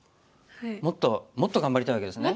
もっともっと頑張りたいわけですね。